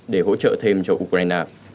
để hỗ trợ thêm cho ukraine